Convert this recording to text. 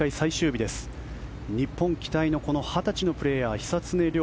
日本期待の２０歳のプレーヤー久常涼。